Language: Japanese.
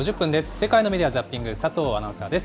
世界のメディア・ザッピング、佐藤アナウンサーです。